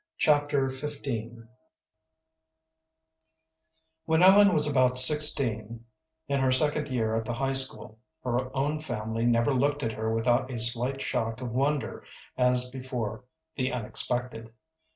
Chapter XV When Ellen was about sixteen, in her second year at the high school, her own family never looked at her without a slight shock of wonder, as before the unexpected.